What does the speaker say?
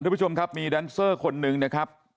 ผู้ชมครับมีแดนเซอร์คนหนึ่งนะครับ